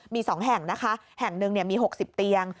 มี๒แห่งนะคะแห่งหนึ่งมี๖๐เตียง